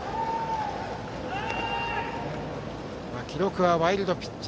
記録はワイルドピッチ。